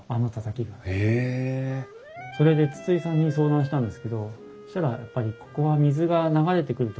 それで筒井さんに相談したんですけどそしたらやっぱり水が流れてくる？